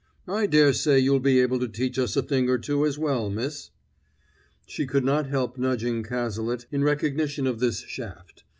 "I dare say you'll be able to teach us a thing or two as well, miss." She could not help nudging Cazalet in recognition of this shaft.